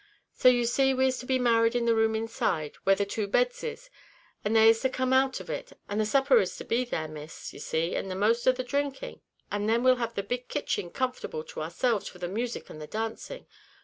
So you see we is to be married in the room inside, where the two beds is, and they is to come out of it, and the supper is to be there, Miss, you see, and the most of the dhrinking, and then we'll have the big kitchen comfortable to oursells for the music and the dancing.